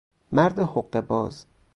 مرد حقهباز